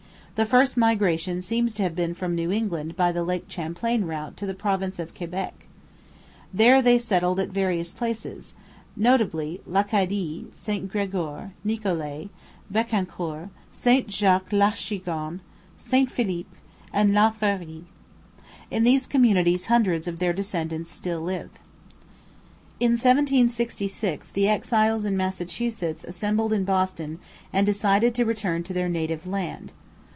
The first migration seems to have been from New England by the Lake Champlain route to the province of Quebec. There they settled at various places, notably L'Acadie, St Gregoire, Nicolet, Becancour, St Jacques l'Achigan, St Philippe, and Laprairie. In these communities hundreds of their descendants still live. In 1766 the exiles in Massachusetts assembled in Boston and decided to return to their native land.